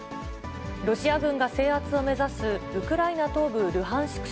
ロシア軍が制圧を目指すウクライナ東部ルハンシク